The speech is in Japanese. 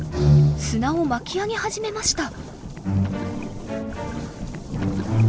砂を巻き上げ始めました。